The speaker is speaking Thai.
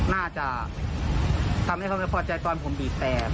น่าจะทำให้เขาไม่พอใจตอนผมบีบแต่